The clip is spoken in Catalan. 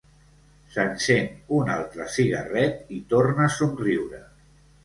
S'encén un altre cigarret i torna a somriure.